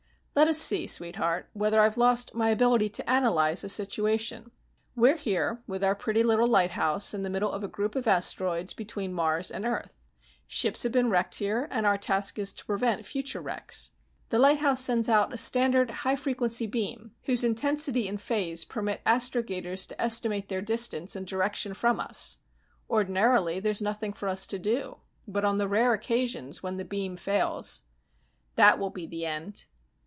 "Let us see, sweetheart, whether I've lost my ability to analyze a situation. We're here with our pretty little lighthouse in the middle of a group of asteroids between Mars and Earth. Ships have been wrecked here, and our task is to prevent further wrecks. The lighthouse sends out a standard high frequency beam whose intensity and phase permit astrogators to estimate their distance and direction from us. Ordinarily, there's nothing for us to do. But on the rare occasions when the beam fails " "That will be the end."